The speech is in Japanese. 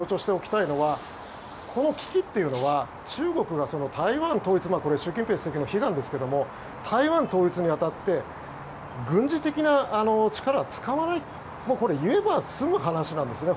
もう１点強調しておきたいのはこの危機というのは中国が台湾統一というのはこれ、習近平主席の悲願ですけども台湾統一に当たって軍事的な力は使わないこれ、言えば済む話なんですね。